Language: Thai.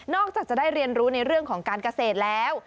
จากจะได้เรียนรู้ในเรื่องของการเกษตรแล้ว